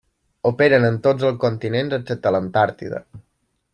Operen en tots els continents excepte l'Antàrtida.